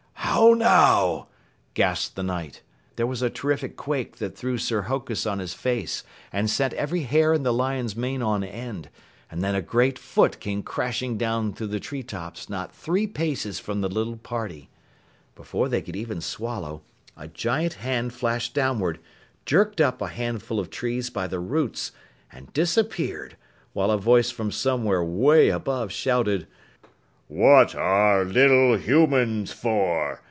"How now!" gasped the Knight. There was a terrific quake that threw Sir Hokus on his face and sent every hair in the lion's mane on end, and then a great foot came crashing down through the treetops not three paces from the little party. Before they could even swallow, a giant hand flashed down ward, jerked up a handful of trees by the roots, and disappeared, while a voice from somewhere way above shouted: What are little humans for?